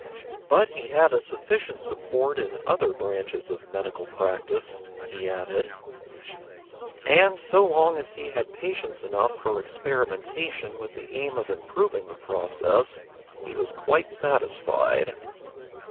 But he had a sufficient support in other branches of medical practice, he added, and, so long as he had patients enough for experimentation with the aim of improving the process, he was quite satisfied.